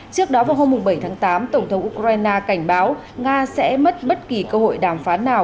trước đó vào hôm bảy tháng tám tổng thống ukraine cảnh báo nga sẽ mất bất kỳ cơ hội đàm phán nào